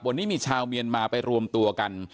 วันนี้มีชาวเมียนมาไปรวมตัวกัน